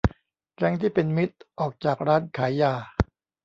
แก๊งที่เป็นมิตรออกจากร้านขายยา